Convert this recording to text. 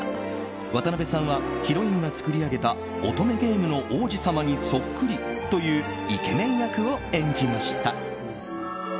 渡邊さんはヒロインが作り上げた乙女ゲームの王子様にそっくりというイケメン役を演じました。